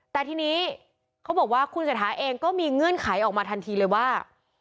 แต่ทีนี้เขาบอกว่าคุณเศรษฐาเองก็มีเงื่อนไขออกมาทันทีเลยว่า